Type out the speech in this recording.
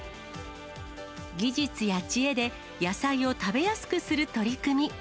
技術や知恵で野菜を食べやすくする取り組み。